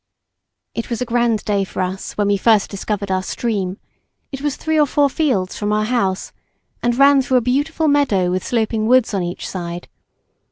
It was a grand day for us when we first discovered our stream; it was three or four fields from our house, and ran through a beautiful meadow with sloping woods on each side.